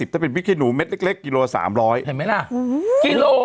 ถ้าเป็นพริกขี้หนูเม็ดเล็กกิโลละ๓๐๐บาท